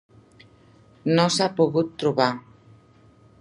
No s'ha pogut trobar.